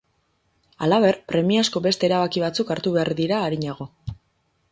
Halaber, premiazko beste erabaki batzuk hartu behar dira arinago.